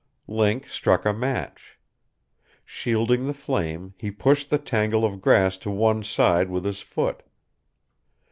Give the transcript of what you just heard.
Link struck a match. Shielding the flame, he pushed the tangle of grass to one side with his foot.